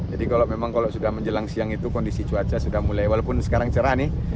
jadi kalau memang kalau sudah menjelang siang itu kondisi cuaca sudah mulai walaupun sekarang cerah nih